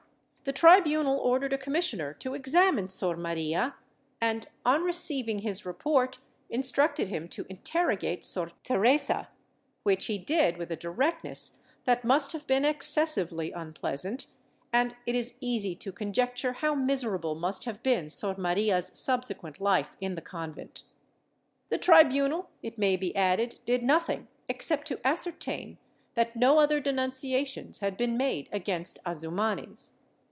The tribunal ordered a commissioner to examine Sor Maria and, on receiving his report, instructed him to interrogate Sor Teresa, which he did with a directness that must have been excessively unpleasant, and it is easy to conjecture how miserable must have been Sor Maria's subsequent life in the convent. The tribunal, it may be added, did nothing, except to ascertain that no other denunciations had been made against Azumanes.